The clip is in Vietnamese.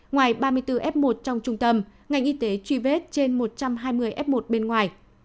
ngoài ba mươi bốn f một trong trung tâm ngành y tế truy vết trên một trăm hai mươi f một bên ngoài